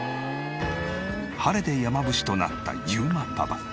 晴れて山伏となった裕磨パパ。